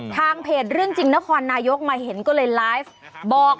ทางเพจเรื่องจริงนครนายกมาเห็นก็เลยไลฟ์บอก